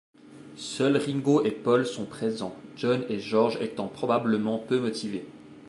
Seul Ringo et Paul sont présents, John et George étant probablement peu motivés.